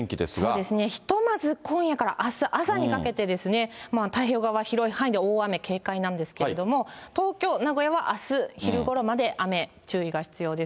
そうですね、ひとまず今夜からあす朝にかけてですね、太平洋側、広い範囲で大雨警戒なんですけども、東京、名古屋はあす昼ごろまで雨、注意が必要です。